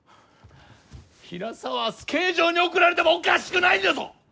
平沢は明日刑場に送られてもおかしくないんだぞ！？